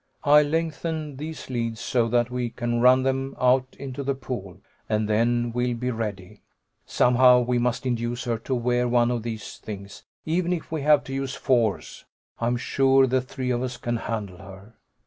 I'll lengthen these leads so that we can run them out into the pool, and then we'll be ready. Somehow we must induce her to wear one of these things, even if we have to use force. I'm sure the three of us can handle her."